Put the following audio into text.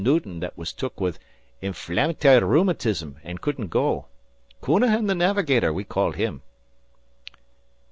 Newton that was took with inflam'try rheumatism an' couldn't go. Counahan the Navigator we called him."